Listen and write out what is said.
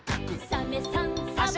「サメさんサバさん」